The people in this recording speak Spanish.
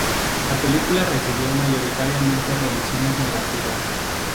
La película recibió mayoritariamente revisiones negativas.